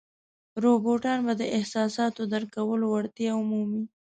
روباټان به د احساساتو درک کولو وړتیا ومومي.